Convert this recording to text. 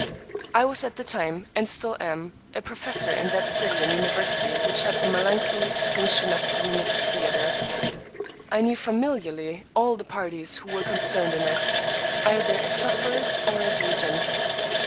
I was at the time, and still am, a professor in that city and university which had the melancholy distinction of being its theater. I knew familiarly all the parties who were concerned in it, either as sufferers or as agents.